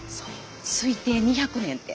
推定２００年って。